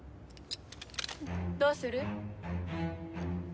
どうする？